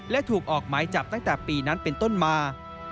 และถูกออกหมายจับตั้งแต่ปีนั้นเป็นต้นมา